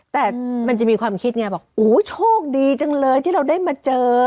แต่มันจะมีความคิดไงบอกโอ้โชคดีจังเลยที่เราได้มาเจอ